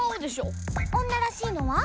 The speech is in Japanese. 女らしいのは？